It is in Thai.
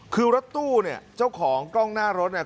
คือรถตู้เนี่ยเจ้าของกล้องหน้ารถเนี่ย